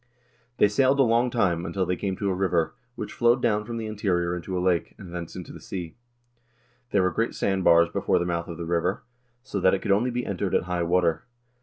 "They sailed a long time, until they came to a river, which flowed down from the interior into a lake, and thence into the sea. There were great sandbars before the mouth of the river, so that it could only be entered at high water.